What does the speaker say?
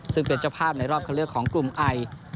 ซึ่งเป็นเจ้าภาพในรอบเข้าเลือกของกลุ่มไอ